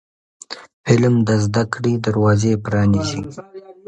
علم د زده کړې دروازې پرانیزي.